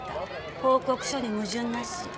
報告書に矛盾なし。